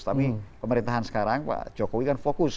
tapi pemerintahan sekarang pak jokowi kan fokus